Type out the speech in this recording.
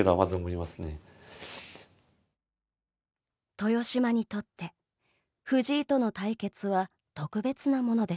豊島にとって、藤井との対決は特別なものでした。